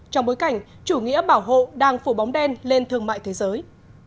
trong bối cảnh chủ nghĩa bảo hộ đang phủ bóng đen lên thương mại thế giới